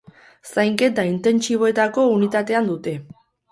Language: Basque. Zainketa intentsiboetako unitatean dute.